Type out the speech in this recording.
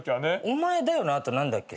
「お前だよ」の後何だっけ？